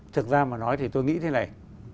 thực ra mà nói thì tôi nghĩ thế này